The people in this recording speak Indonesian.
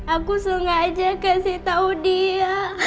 aku sengaja kasih tahu dia